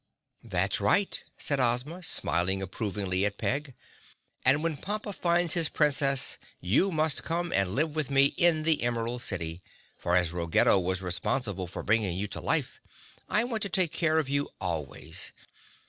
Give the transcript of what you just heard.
"That's right," said Ozma, smiling approvingly at Peg. "And when Pompa finds his Princess you must come and live with me in the Emerald City, for as Ruggedo was responsible for bringing you to life, I want to take care of you always."